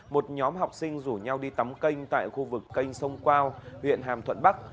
một nhóm học sinh rủ nhau đi tắm kênh tại khu vực canh sông quao huyện hàm thuận bắc